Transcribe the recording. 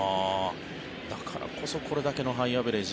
だからこそこれだけのハイアベレージ。